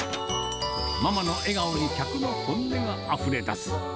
ママの笑顔に客の本音があふれだす。